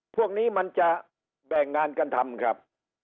พวกนี้มันจะแบ่งงานกันทำครับ